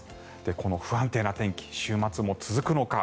この不安定な天気週末も続くのか。